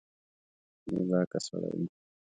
بې باکه سړی و